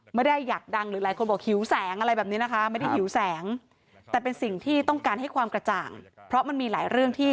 ไม่ได้อยากดังหรือหลายคนบอกหิวแสงอะไรแบบนี้นะคะไม่ได้หิวแสง